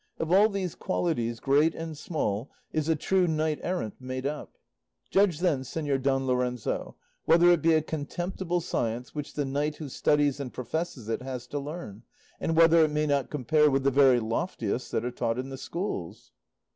Of all these qualities, great and small, is a true knight errant made up; judge then, Señor Don Lorenzo, whether it be a contemptible science which the knight who studies and professes it has to learn, and whether it may not compare with the very loftiest that are taught in the schools."